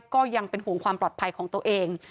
ก็ยังเป็นห่วงความปลอดภัยของตัวเอง